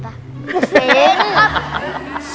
เห็น